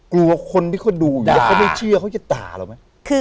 กลัวคนที่เขาดูอยู่แล้วเขาไม่เชื่อเขาจะด่าเราไหม